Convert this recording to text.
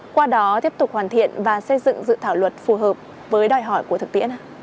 qua đó tiếp tục hoàn thiện và xây dựng dự thảo luật phù hợp với đòi hỏi của thực tiễn